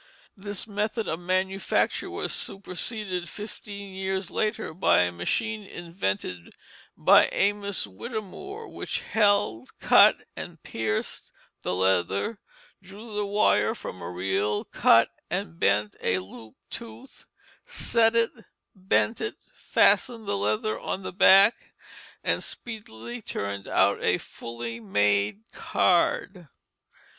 This method of manufacture was superseded fifteen years later by a machine invented by Amos Whittemore, which held, cut, and pierced the leather, drew the wire from a reel, cut and bent a looped tooth, set it, bent it, fastened the leather on the back, and speedily turned out a fully made card.